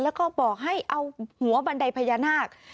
แล้วก็บอกให้เอาหัวบันไดพญานาค